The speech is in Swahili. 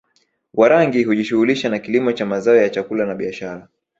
Warangi hujishughulisha na kilimo cha mazao ya chakula na biashara